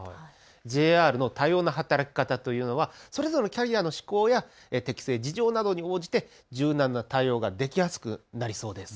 ＪＲの多様な働き方というのはそれぞれキャリアの志向や適性、事情によって柔軟な対応ができやすくなりそうです。